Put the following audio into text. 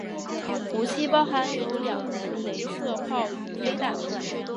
武器包含有两门雷射炮与飞弹。